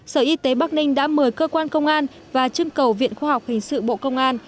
sở y tế bắc ninh đã mời cơ quan công an và trưng cầu viện khoa học hình sự bộ công an